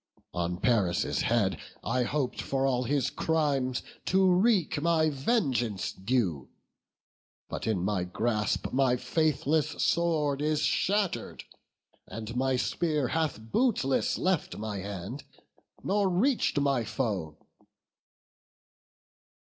On Paris' head I hop'd for all his crimes To wreak my vengeance due; but in my grasp My faithless sword is shatter'd, and my spear Hath bootless left my hand, nor reached my foe."